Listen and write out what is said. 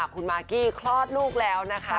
คุณมากกี้คลอดลูกแล้วนะคะ